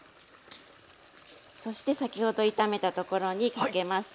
そして先ほど炒めたところにかけます。